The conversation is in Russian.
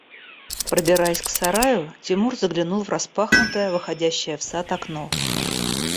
…Пробираясь к сараю, Тимур заглянул в распахнутое, выходящее в сад окно.